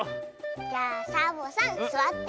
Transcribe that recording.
じゃあサボさんすわって。